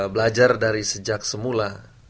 belajar dari sejak semula